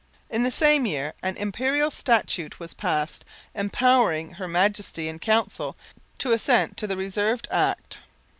In the same year an Imperial Statute was passed empowering Her Majesty in Council to assent to the reserved Act.